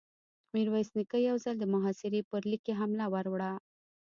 ميرويس نيکه يو ځل د محاصرې پر ليکې حمله ور وړه.